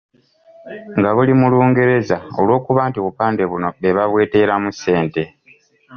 Nga buli mu Lungereza olw'okuba nti obupande buno be babweteeramu ssente.